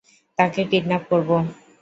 তাকে কিডন্যাপ করবো।